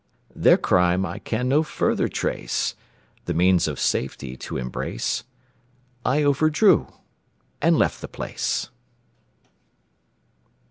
Their crime I can no further trace The means of safety to embrace, I overdrew and left the place.